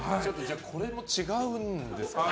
これも違うんですかね。